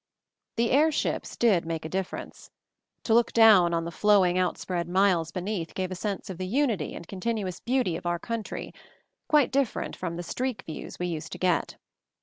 The airships did make a difference. To 192 MOVING THE MOUNTAIN look down on the flowing, outspread miles beneath gave a sense of the unity and con tinuous beauty of our country, quite dif ferent from the streak views we used to get.